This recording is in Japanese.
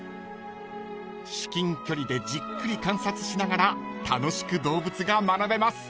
［至近距離でじっくり観察しながら楽しく動物が学べます］